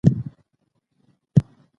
ټولنه بې اخلاقو ړنګه کيږي.